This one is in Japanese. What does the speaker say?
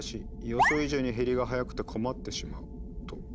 予想以上に減りが早くて困ってしまう」と。